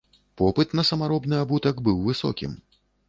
Попыт на самаробны абутак быў высокім.